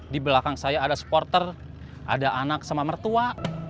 di belakang saya ada supporter ada anak sama mertua